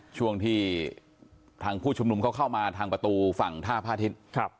ช่วงที่ทางผู้ชุมนุมเขาเข้ามาทางประตูฝั่งท่าพระอาทิตย์